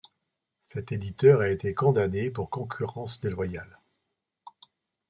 Cet éditeur a été condamné pour concurrence déloyale.